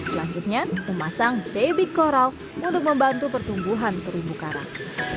selanjutnya memasang baby coral untuk membantu pertumbuhan terumbu karang